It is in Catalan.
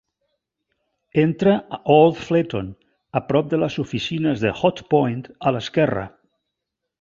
Entra a Old Fletton a prop de les oficines de Hotpoint a l'esquerra.